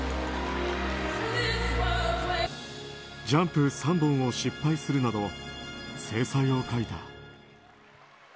ジャンプ３本を失敗するなど精彩を欠いた。